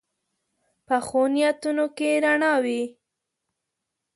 پخو نیتونو کې رڼا وي